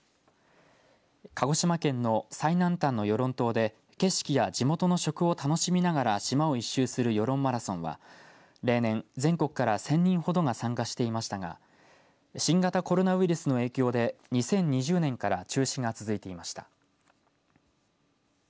鹿児島県の最南端の与論島で景色や地元の食を楽しみながら島を一周するヨロンマラソンは例年全国から１０００人ほどが参加していましたが新型コロナウイルスの影響で２０２０年から中止が続いていました。